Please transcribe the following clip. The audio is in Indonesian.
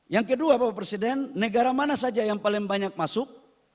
yang kedua bapak presiden negara mana saja yang paling banyak masuk